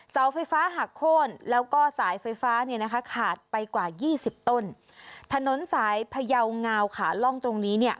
เสาไฟฟ้าหักโค้นแล้วก็สายไฟฟ้าเนี่ยนะคะขาดไปกว่ายี่สิบต้นถนนสายพยาวงาวขาล่องตรงนี้เนี่ย